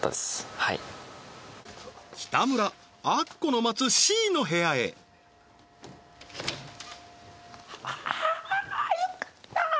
はい北村アッコの待つＣの部屋へああ